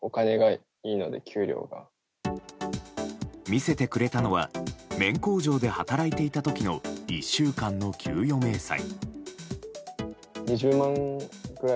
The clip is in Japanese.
見せてくれたのは綿工場で働いていた時の１週間の給与明細。